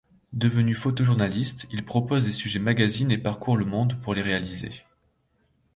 Devenu photojournaliste, il propose des sujets magazines et parcourt le monde pour les réaliser.